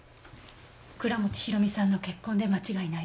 倉持広美さんの血痕で間違いない。